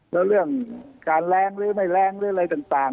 แล้วเรื่องการแรงหรือไม่แรงหรืออะไรต่าง